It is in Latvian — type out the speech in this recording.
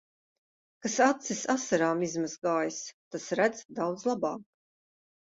Kas acis asarām izmazgājis, tas redz daudz labāk.